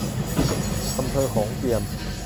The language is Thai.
อำเภอโขงเจียม